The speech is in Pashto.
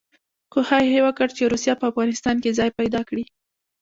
کوښښ یې وکړ چې روسیه په افغانستان کې ځای پیدا کړي.